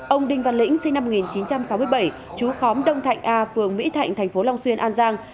ông đinh văn lĩnh sinh năm một nghìn chín trăm sáu mươi bảy chú khóm đông thạnh a phường mỹ thạnh thành phố long xuyên an giang